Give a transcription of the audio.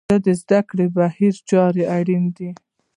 د زده کړې د بهیر څارنه اړینه ده.